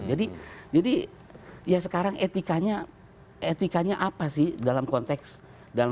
jadi ya sekarang etikanya apa sih dalam konteks peraturan